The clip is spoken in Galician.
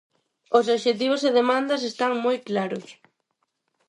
Os obxectivos e demandas están moi claros.